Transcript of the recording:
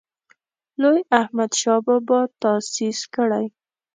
لوی احمدشاه بابا تاسیس کړی.